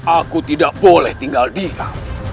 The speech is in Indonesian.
aku tidak boleh tinggal diam